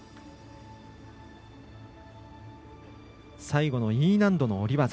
最後のＥ難度の下り技。